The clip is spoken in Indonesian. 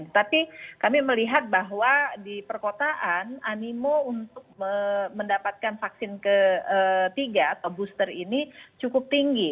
tapi kami melihat bahwa di perkotaan animo untuk mendapatkan vaksin ketiga atau booster ini cukup tinggi